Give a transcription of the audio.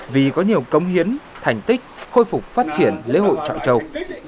vì có nhiều công hiến thành tích khôi phục phát triển lễ hội trọi châu